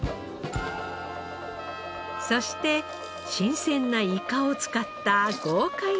そして新鮮なイカを使った豪快な料理も。